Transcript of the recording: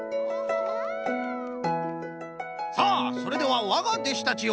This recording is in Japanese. さあそれではわがでしたちよ！